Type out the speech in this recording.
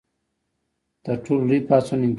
تر ټولو لوی پاڅون انقلاب و.